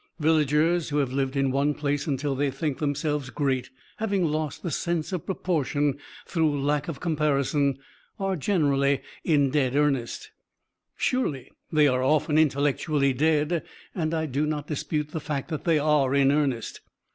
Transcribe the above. Villagers who have lived in one little place until they think themselves great, having lost the sense of proportion through lack of comparison, are generally "in dead earnest." Surely they are often intellectually dead, and I do not dispute the fact that they are in earnest.